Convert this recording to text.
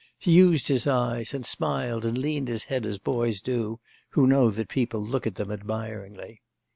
He used his eyes, and smiled and leaned his head as boys do who know that people look at them admiringly.